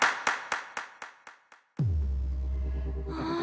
ああ。